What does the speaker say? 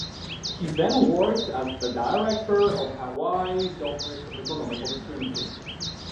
He then worked as the director of Hawaii's Office of Economic Opportunity.